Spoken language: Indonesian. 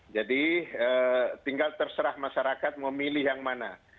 jadi tinggal terserah masyarakat memilih yang mana